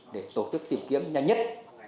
để tổ chức tìm kiếm nhanh nhất